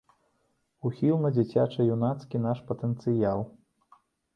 Ухіл на дзіцяча-юнацкі наш патэнцыял.